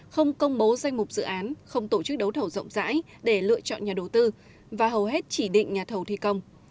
không công bố danh mục dự án không tổ chức đấu thầu rộng rãi để lựa chọn nhà đầu tư và hầu hết chỉ định nhà thầu thi công